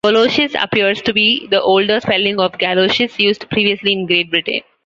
"Goloshes" appears to be the older spelling of "galoshes" used previously in Great Britain.